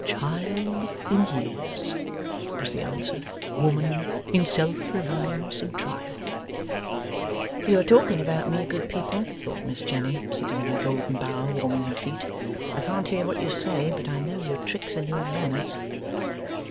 'Child in years,' was the answer; 'woman in self reliance and trial.' 'You are talking about Me, good people,' thought Miss Jenny, sitting in her golden bower, warming her feet. 'I can't hear what you say, but I know your tricks and your manners!